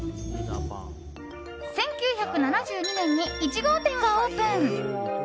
１９７２年に１号店をオープン。